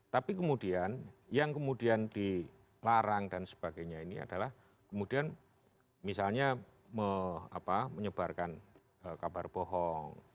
tapi kemudian yang kemudian dilarang dan sebagainya ini adalah kemudian misalnya menyebarkan kabar bohong